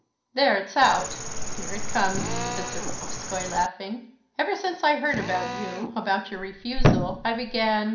"There it's out! here it comes!" said Serpuhovskoy, laughing. "Ever since I heard about you, about your refusal, I began....